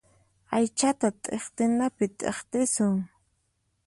Aychata thiqtinapi thiqtisun.